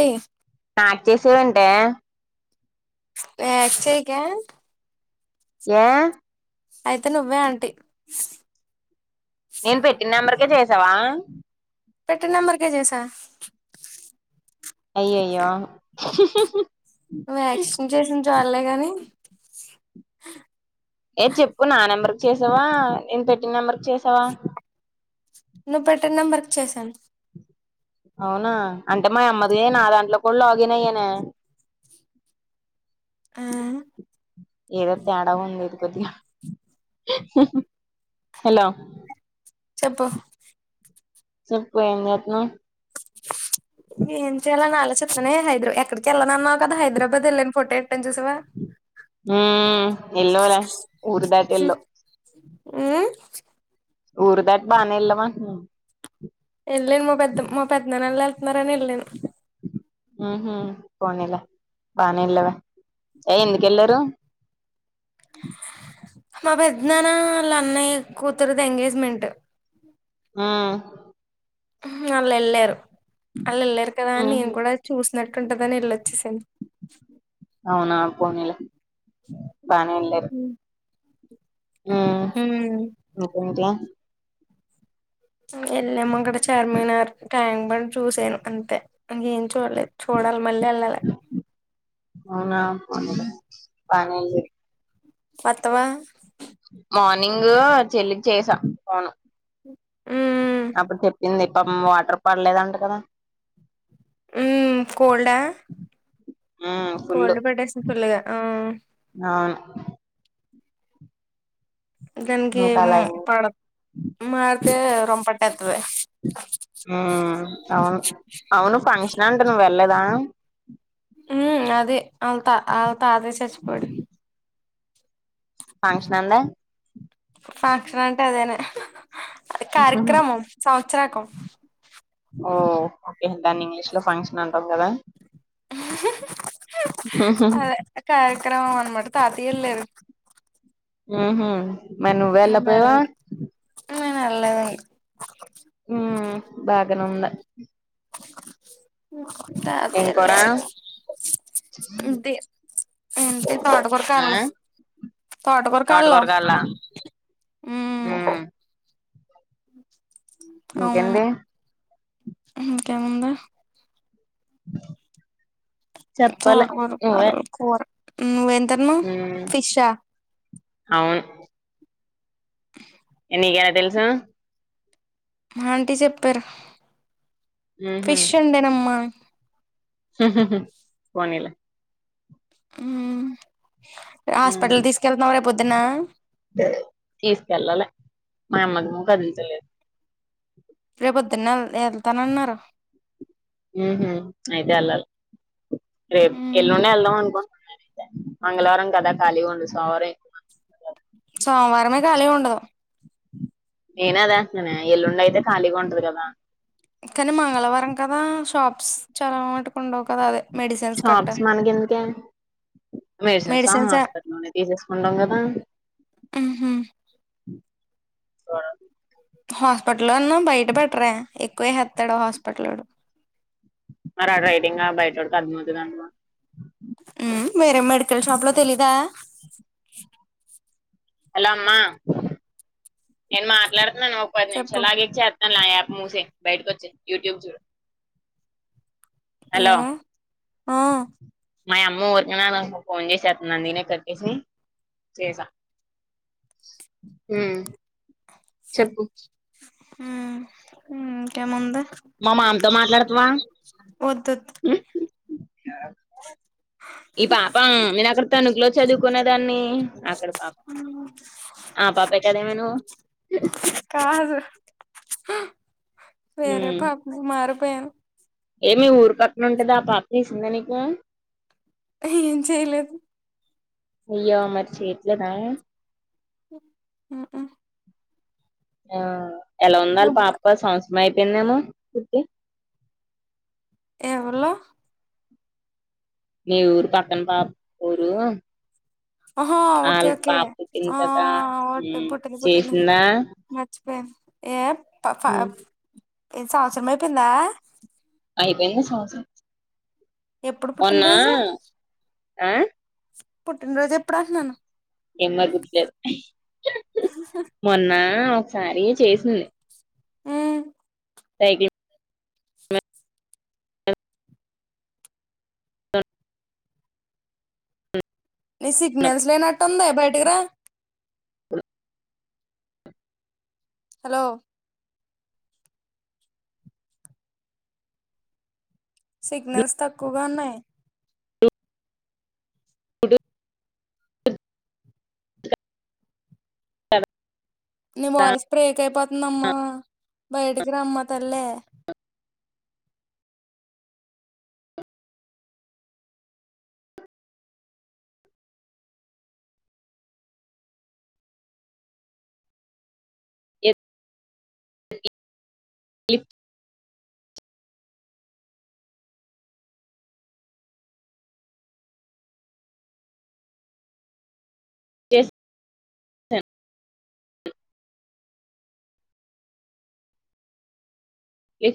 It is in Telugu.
టె ఆ అచ్చేసే ఉంటయా? యాక్ట్ చేయకే యా అయితే నువ్వే ఆంటీ నేను పెట్టిన నెంబర్కే చేసావా? పెట్టి నెంబర్కే చేసా. అయ్యయ్యో నువ్వు యాక్షన్ చేసింది చాల్లే గనీ ఏ చెప్పు నా నెంబర్కి చేసావా, నేను పెట్టిన నెంబర్కి చేసావా? నువ్వు పెట్టిన నంబర్కి చేశాను. అవునా అంటే మాయమ్మదే నా దాంట్లో కూడ లాగిన్ అయ్యానే. ఆ ఏదో తేడా ఉంది ఇది కొద్దిగా, హలో చెప్పు చెప్పు ఏం చేత్తన్నవ్? ఏం చేయాల అని ఆలోచిత్తనే హైదర ఎక్కడికెల్లనన్నావు కదా హైదరాబాద్ ఎళ్ళాను ఫోటో ఎట్టాను చూసావా? ఉమ్ ఎల్లవ్ రా ఊరు దాటి ఎల్లవ్ ఉమ్ ఊరుదాటి బానే వెళ్ళావు అంటున్న ఎళ్ళలేను మా పెద్ద మా పెద్ద నాన్న ఎలా ఎళ్తున్నారు అని ఎళ్ళాను. ఉహు పోనీలే బానే ఎల్లావే ఏ ఎందుకెళ్లారు. మా పెద్దనాన్న వాళ్ళ అన్నయ్య కూతురిది ఎంగేజ్మెంట్. ఉమ్ ఉహ్ వాళ్ళు ఎళ్ళారు, ఆళ్ళు ఎళ్ళారు కదా అని నేను ఉహు కూడా చూసినట్టుంటదని ఎళ్ళొచ్చేసాను. అవునా పోనీలే పనిలే అ ఆ ఇంకేంటి వెళ్ళాము అక్కడ చార్మినార్ ట్యాంక్బండ్ చూసాను అంతే ఇంకేం చూడలేదు చూడాలి మళ్ళీ వెళ్ళాలీ అవునా పోనీ లే పనీ అత్తవా మార్నింగ్ చెల్లికి చేసా ఫోను మ్ అప్పుడు చెప్పింది పాపం వాటర్ పడలేదంట కదా మ్ కోల్డ్ ఆ ఉమ్ ఫుల్ కోల్డ్ పట్టేసింది ఫుల్గా ఆ అవును ఇంకా అలా దానికేము అయింది పడదు మారితే రోంపట్టేతది ఉ అవును అవును ఫంక్షన్ అంట నువ్వు వెళ్ళలేదా హ అదే వెళ్తా ఆలా తాతే చచ్చిపోయాడు ఫంక్షన్ అండే ఫంక్షన్ అంటే అదేన కార్యక్రమం సంవత్సరికం ఓ ఓకే దాన్ని ఇంగ్లీష్ లో ఫంక్షన్ అంటాం కదా అదే కార్యక్రమం అనమాట తాతయేళ్ళు ఆహా నేను వెల్లలే నేను వెళ్ళలేదు ఆ బాగానే ఉందా ఏం తాతయ్య కూర ఏళ్లారు ఇదే ఏంటి తోటకూర ఆ అలా తోటకర కాలో తోటకూర కావాలా మ్ ఉమ్ అవును ఇంకేంటి ఇన్కేముందా ఆ చెప్పాలి అవును నువ్వే కూర నువ్ తిన్నావ్ హ్మ్ ఫిషా అవును ఆ నీకెలా తెలుసు ఆంటీ చెప్పారు ఉహు ఫిష్ వన్డేనమ్మ పోనీలే ఉమ్ హ్మ్ హాస్పిటల్ తీసుకెళ్తునవా రేపొద్దున్న తీసుకెళ్ళాలి మా అమ్మెము కదుల్తలేదు రేపుద్దున్న వెల్త్ వెళ్తానన్నారు ఉహు అయితే వెళ్ళాలి రేపు ఉమ్ ఎల్లుండే వెళ్దాం అనుకుంటున్నానయితే మంగళవారం కదా ఖాళీగా ఉండు సోమవారం మంది కదా సోమవారమే ఖాలీ ఉండదు నేనే అదే అంటున్నానే ఎల్లుండి అయితే ఖాళీగా ఉంటది కదా కానీ మంగళవారం కదా షాప్స్ చాలా మట్టుకు ఉండవు కదా మెడిసిన్స్ కట్ట షాప్స్ మనకి ఎందుకే మెడిసిన్స్ ఆ హస్పిటల్ లోనే తీసేసుకుంటాం కదా ఆహ సరే హాస్పిటల్లో అన్నా బయట పెట్టరే ఎక్కువేసేస్తాడు హాస్పిటలోడు మరి ఆ డ్రైడింగ్ బయటోకి అర్మవుతుందింమా ఉ వేరే మెడికల్ షాప్లే తెలీదా? హలో అమ్మా నేను మాట్లాడుతున్నాను ఒక పది చెప్పు నిమిషాలుగాక చే దానిలో ఆ యాప్ ముసేయ్ బయటకి వచ్చెయ్ యూట్యూబ్ చూడు. హలో ఏ ఆ మా అమ్మ ఊరికనే నాకు ఫోన్ చేసేస్తందని నేనే కట్ చేసి చేసా మ్ చెప్పు మ్ మ్ ఇంకేముంది మా మామతో మాట్లాడుతావా? వద్దొద్దు ఈ పాప నేను అక్కడ తణుకులో చదువుకునే దాన్ని అక్కడ పాప ఆ పాపే కదే మెనూ కాదు వెరే పాపని మారిపోయాను. ఏమే ఊరి పక్కన ఉంటంద ఆ పార్క్ తీసిందా నీకు? ఏం చేయలేదు అయ్యో మరి చేయట్లేదా? ఉ ఊ ఆ ఎలా ఉందాలి నువ్వు పాప సంవత్సరం అయిపోయిందేమో పుట్టి ఎవళ్ళూ నే ఊరు పక్కన పాప ఊరు ఆహా ఓకే ఆళ్ళకు ఓకే పాప పుట్టింది ఆ కదా ఒట్టి ఉమ్ పుట్టింది పుట్టింది చేసిందా? మర్చిపోయాను ఏ పాప అ సంవత్సరం అయిపోయిందా? అయిపోయింది సంవత్సరం ఆ మొన్నా ఆ పుట్టిన రోజు ఎప్పుడంటున్నాను ఏం మా గుట్లేదు హ్హ్ మొన్న ఒకసారి చేసింది. ఉమ్ దైర్యం నీ సిగ్నల్స్ లేనట్టుంది బయటకిరా హలో సిగ్నల్స్ తక్కువగా ఉన్నాయి. కుడు నీ కదా వాయిస్ బ్రేక్ అయిపోతుందమ్మా బయటికి రమ్మ తల్లే if I gave um lift